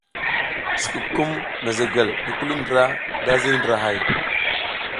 Sikukum mezegwel ngi kuli ndra da ziriy ndrahay.